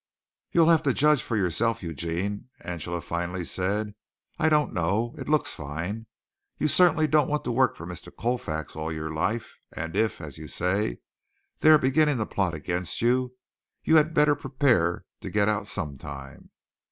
"You'll have to judge for yourself, Eugene," Angela finally said. "I don't know. It looks fine. You certainly don't want to work for Mr. Colfax all your life, and if, as you say, they are beginning to plot against you, you had better prepare to get out sometime.